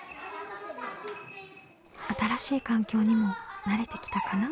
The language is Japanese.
新しい環境にも慣れてきたかな？